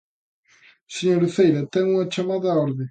Señora Uceira, ten unha chamada á orde.